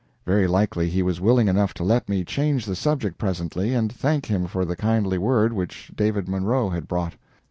Very likely he was willing enough to let me change the subject presently and thank him for the kindly word which David Munro had brought.